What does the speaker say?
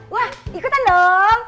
wah ikutan dong